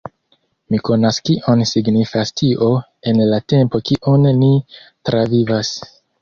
Mi konas kion signifas tio en la tempo kiun ni travivas.